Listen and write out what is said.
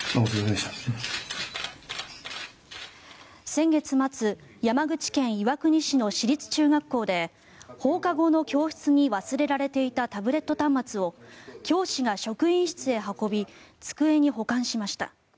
先月末山口県岩国市の市立中学校で放課後の教室に忘れられていたタブレット端末を教師が職員室へ運び机に保管しました。